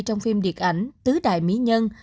trong phim điện ảnh tứ đại mỹ nhân